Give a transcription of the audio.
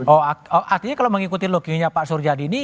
oh artinya kalau mengikuti lokiunya pak surjadini